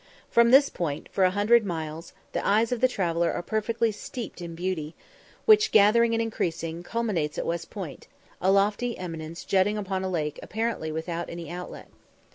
From this point for a hundred miles the eyes of the traveller are perfectly steeped in beauty, which, gathering and increasing, culminates at West Point, a lofty eminence jutting upon a lake apparently without any outlet.